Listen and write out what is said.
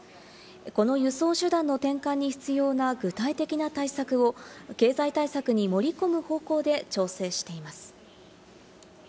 この輸送手段の転換に必要な具体的な対策を経済対策に盛り込む方向で調整しています。